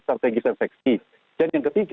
strategis dan seksi dan yang ketiga